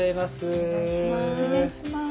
お願いします。